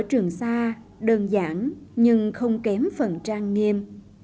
trường xa đơn giản nhưng không kém phần trang nghiêm